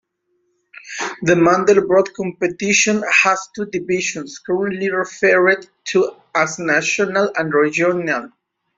The Mandelbrot Competition has two divisions, currently referred to as "National" and "Regional.